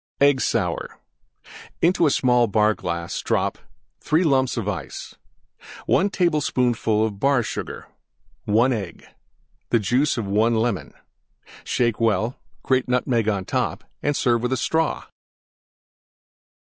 EGG SOUR Into small Bar glass drop: 3 lumps Ice. 1 tablespoonful Bar Sugar. 1 Egg. Juice of 1 Lemon. Shake well; grate Nutmeg on top and serve with Straw.